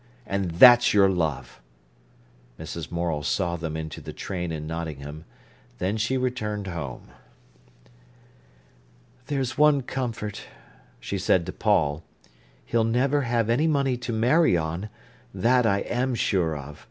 "And that's your love!" Mrs. Morel saw them into the train in Nottingham, then she returned home. "There's one comfort," she said to Paul—"he'll never have any money to marry on, that I am sure of.